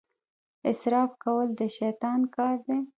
اسراف کول د شیطان کار دی.